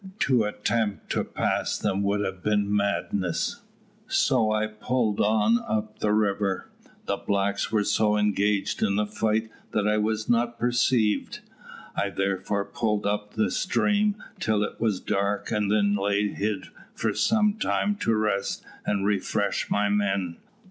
To attempt to pass them would have been madness, so I pulled on up the river. The blacks were so engaged in the fight, that I was not perceived. I therefore pulled up the stream till it was dark, and then lay hid for some time to rest and refresh my men.